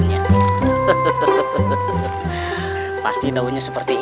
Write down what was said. siap pakai kakich haftc sach luka berbuka padanya